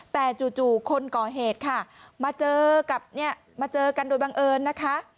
แต่จู่จู่คนก่อเหตุค่ะมาเจอกันโดยบังเอิญนะคะ